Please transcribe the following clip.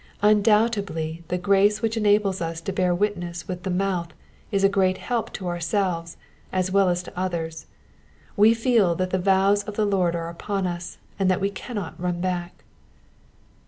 Undoubtedly the grace which enables us to bear witness with the mouth is a great help to ourselves as well as to others : we feel that the vows of the Lord are upon us, and that we cannot run back.